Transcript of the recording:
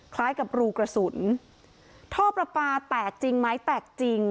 คล้ายกับรูกระสุนท่อประปาแตกจริงไหมแตกจริง